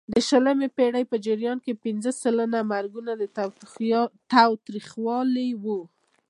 د شلمې پېړۍ په جریان کې پینځه سلنه مرګونه د تاوتریخوالي وو.